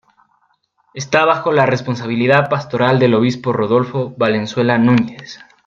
Esta bajo la responsabilidad pastoral del obispo Rodolfo Valenzuela Núñez.